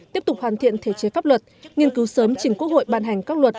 tiếp tục hoàn thiện thể chế pháp luật nghiên cứu sớm chỉnh quốc hội ban hành các luật